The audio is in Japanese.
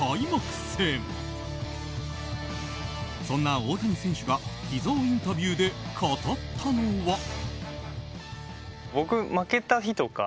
そんな大谷選手が秘蔵インタビューで語ったのは。